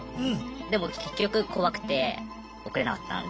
でも結局怖くて送れなかったんですよ。